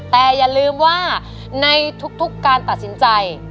แต่อย่าลืมว่าในทุกการตัดสินใจ